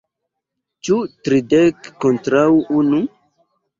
Ĉu tridek kontraŭ unu?